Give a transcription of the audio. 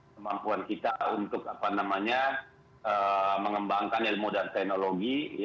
kemampuan kita untuk mengembangkan ilmu dan teknologi